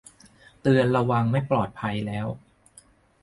เตือนระวังไม่ปลอดภัยแล้ว